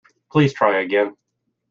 Please try again.